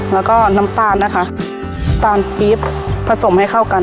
แล้วก็น้ำตาลนะคะตาลปี๊บผสมให้เข้ากัน